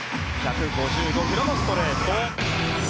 １５５ｋｍのストレート。